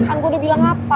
kan gue udah bilang apa